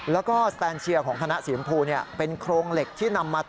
แล้วก็สแตนเชียร์ของคณะสีชมพูเป็นโครงเหล็กที่นำมา